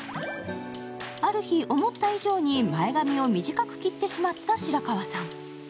ある日、思った以上に前髪を短く切ってしまった白川さん。